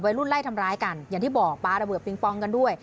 รุ่นไล่ทำร้ายกันอย่างที่บอกปลาระเบิดปิงปองกันด้วย